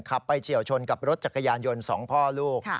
ไปเฉียวชนกับรถจักรยานยนต์๒พ่อลูก